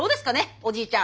おじいちゃん。